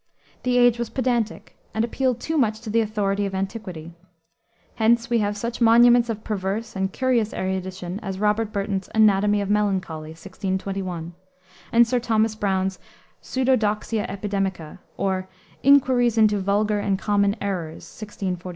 The age was pedantic, and appealed too much to the authority of antiquity. Hence we have such monuments of perverse and curious erudition as Robert Burton's Anatomy of Melancholy, 1621; and Sir Thomas Browne's Pseudodoxia Epidemica, or Inquiries into Vulgar and Common Errors, 1646.